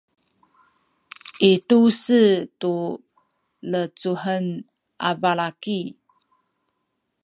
i tu-se tu lecuhen a balaki